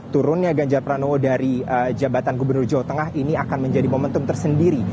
turunnya ganjar pranowo dari jabatan gubernur jawa tengah ini akan menjadi momentum tersendiri